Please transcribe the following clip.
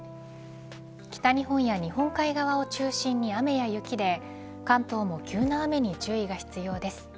北日本や日本海側を中心に雨や雪で関東も急な雨に注意が必要です。